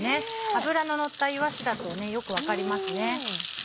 脂ののったいわしだとよく分かります。